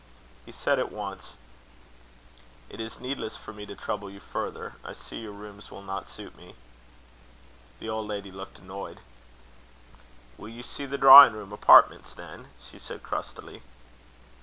He said at once: "It is needless for me to trouble you further. I see your rooms will not suit me." The old lady looked annoyed. "Will you see the drawing room apartments, then?" she said, crustily.